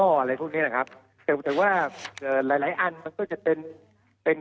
อะไรพวกนี้แหละครับแต่ว่าเอ่อหลายหลายอันมันก็จะเป็นเป็น